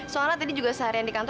saat dia bisa kan